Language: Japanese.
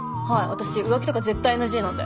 私浮気とか絶対ＮＧなんで。